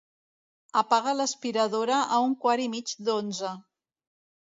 Apaga l'aspiradora a un quart i mig d'onze.